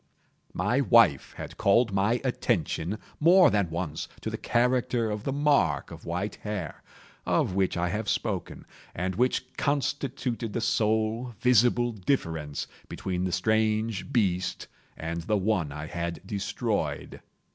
My wife had called my attention, more than once, to the character of the mark of white hair, of which I have spoken, and which constituted the sole visible difference between the strange beast and the one I had destroyed.